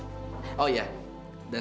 dan saya juga merasakan kalau kamu pak